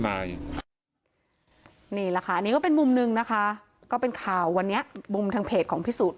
นี่แหละค่ะอันนี้ก็เป็นมุมหนึ่งนะคะก็เป็นข่าววันนี้มุมทางเพจของพิสูจน